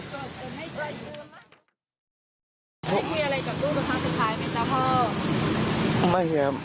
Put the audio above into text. ไม่ได้คุยอะไรกับลูกในครั้งสุดท้ายไหมครับพ่อ